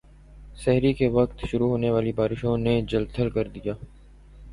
سحری کے وقت شروع ہونے والی بارشوں جل تھل کر دیا